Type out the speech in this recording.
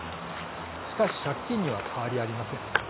しかし借金には変わりありません。